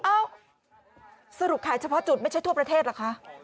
เอ้าสรุปขายเฉพาะจุดไม่ใช่ทั่วประเทศเหรอคะ